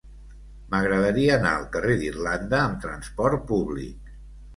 M'agradaria anar al carrer d'Irlanda amb trasport públic.